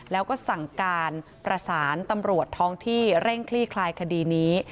แล้วก็สั่งการประสานตำรวจท้องที่เร่งคลี่คลายคดีนี้